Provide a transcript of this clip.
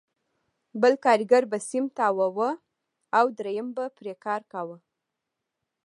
بل کارګر به سیم تاواوه او درېیم به پرې کاوه